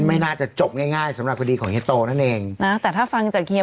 ไม่น่าจะจบง่ายง่ายสำหรับคดีของเฮียโตนั่นเองนะแต่ถ้าฟังจากเฮีย